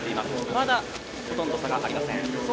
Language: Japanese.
まだ、ほとんど差がありません。